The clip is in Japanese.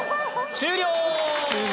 終了！